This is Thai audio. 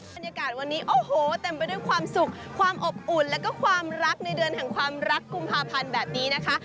บรรยากาศวันนี้โอ้โหเต็มไปด้วยความสุขความอบอุ่นแล้วก็ความรักในเดือนแห่งความรักกุมภาพันธ์แบบนี้นะคะ